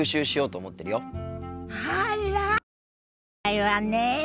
偉いわね。